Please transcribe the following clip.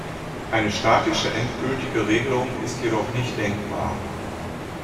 Eine statische, endgültige Regelung ist jedoch nicht denkbar.